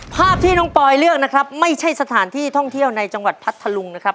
ภาพที่น้องปอยเลือกนะครับไม่ใช่สถานที่ท่องเที่ยวในจังหวัดพัทธลุงนะครับ